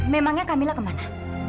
memangnya kamilah kemana